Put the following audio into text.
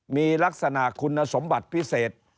มีลักษณะคุณสมบัติพิเศษ